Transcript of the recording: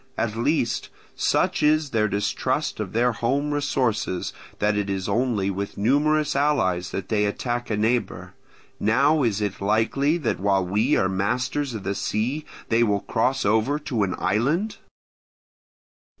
At least, such is their distrust of their home resources that it is only with numerous allies that they attack a neighbour; now is it likely that while we are masters of the sea they will cross over to an island?